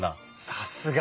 さすが！